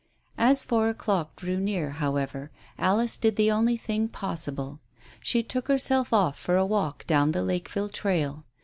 As four o'clock drew near, however, Alice did the only thing possible. She took herself off for a walk down the Lakeville trail.